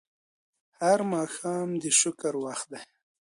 هر ماښام د شکر وخت دی